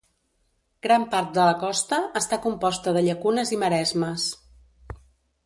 Gran part de la costa està composta de llacunes i maresmes.